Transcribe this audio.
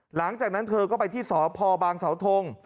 หลังจากนั้นเธอก็ไปที่สพบางสาวทง